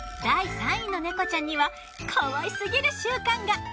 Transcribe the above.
第３位の猫ちゃんには可愛すぎる習慣が。